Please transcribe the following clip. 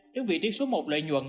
đứng vị trí số một lợi nhuận